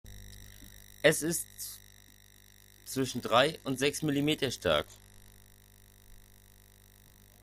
Es ist zwischen drei und sechs Millimeter stark.